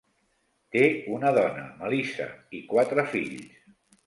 Té una dona, Melissa, i quatre fills.